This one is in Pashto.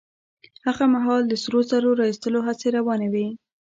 هغه مهال د سرو زرو را ايستلو هڅې روانې وې.